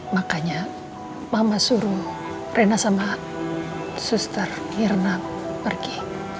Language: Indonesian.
makanya mama suruh rena sama suster irna pergi